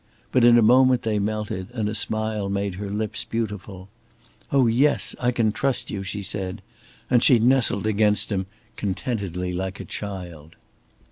But in a moment they melted and a smile made her lips beautiful. "Oh, yes, I can trust you," she said, and she nestled against him contentedly like a child.